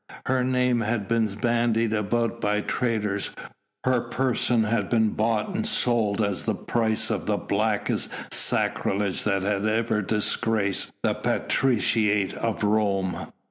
Her name had been bandied about by traitors, her person been bought and sold as the price of the blackest sacrilege that had ever disgraced the patriciate of Rome.